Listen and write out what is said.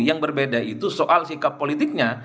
yang berbeda itu soal sikap politiknya